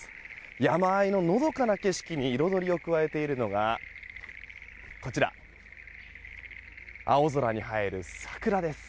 山あいののどかな景色に色どりを加えているのがこちら、青空に映える桜です。